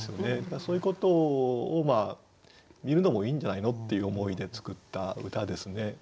そういうことを見るのもいいんじゃないの？っていう思いで作った歌ですね。